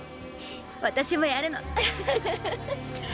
私もやるの。